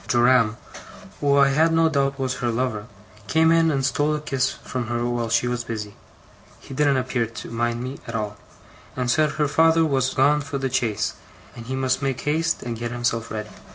Joram, who I had no doubt was her lover, came in and stole a kiss from her while she was busy (he didn't appear to mind me, at all), and said her father was gone for the chaise, and he must make haste and get himself ready.